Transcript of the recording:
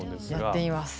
やってみます。